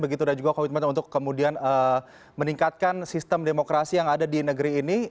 begitu dan juga komitmen untuk kemudian meningkatkan sistem demokrasi yang ada di negeri ini